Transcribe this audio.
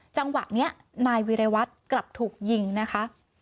จังหวะนี้นายวิรวัตรกลับถูกยิงนะคะ